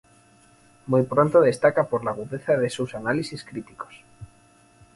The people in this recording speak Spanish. Muy pronto destaca por la agudeza de sus análisis críticos.